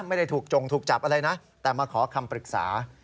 ไม่ได้ถูกจงถูกจับอะไรนะแต่มาขอคำปรึกษา